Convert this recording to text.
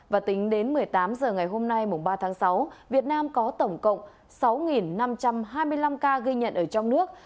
và tính đến một mươi tám h ngày hôm nay ba tháng sáu việt nam có tổng cộng sáu năm trăm hai mươi năm ca ghi nhận ở trong nước